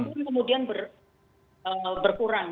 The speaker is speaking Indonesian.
itu kemudian berkurang